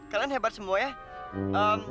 kalian hebat semua ya